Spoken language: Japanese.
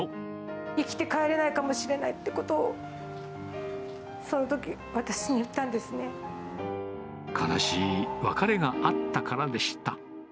生きて帰れないかもしれないってことを、そのとき、悲しい別れがあったからでした。